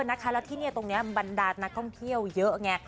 แล้วที่นี่ตรงนี้บรรดานักท่องเที่ยวเยอะไง